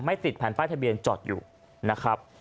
ไม่ติดแผ่นไฟทะเบียนจอดอยู่นะครับ